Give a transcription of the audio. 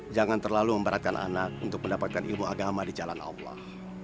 jangan terlalu memberatkan anak untuk mendapatkan ilmu agama di jalan allah